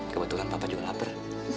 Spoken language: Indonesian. kebetulan papa juga lapar